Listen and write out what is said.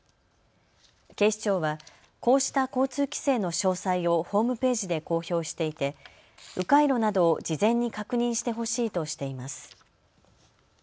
警視庁はこうした交通規制の詳細をホームページで公表していてう回路などを事前に確認してほしいとしています。